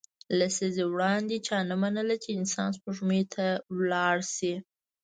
لسیزې وړاندې چا نه منله چې انسان سپوږمۍ ته لاړ شي